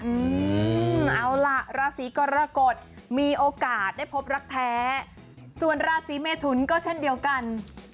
อืมเอาล่ะราศีกรกฎมีโอกาสได้พบรักแท้ส่วนราศีเมทุนก็เช่นเดียวกัน